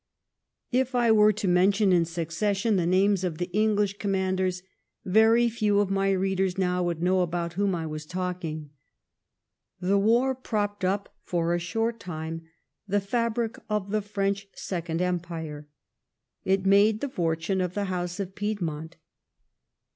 If I were to mention in succession the names of the English commanders, very few of my readers now would know about whom I was talking. The war propped up for a short time the fabric of the French Second Empire. It made the fortune of the House of Piedmont.